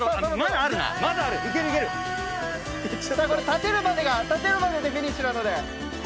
立てるまでが立てるまででフィニッシュなので。